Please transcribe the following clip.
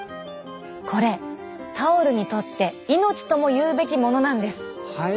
これタオルにとって命ともいうべきものなんです！